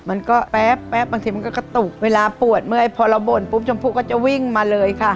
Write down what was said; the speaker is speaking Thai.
มันก็แป๊บบางทีมันก็กระตุกเวลาปวดเมื่อพอเราบ่นปุ๊บชมพูก็จะวิ่งมาเลยค่ะ